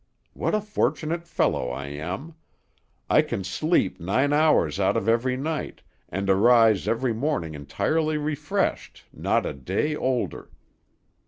What a fortunate fellow I am! I can sleep nine hours out of every night, and arise every morning entirely refreshed, not a day older.